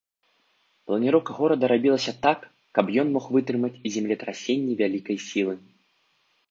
Планіроўка горада рабілася так, каб ён мог вытрымаць землетрасенні вялікай сілы.